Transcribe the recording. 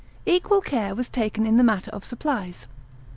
Equal care was taken in the matter of supplies.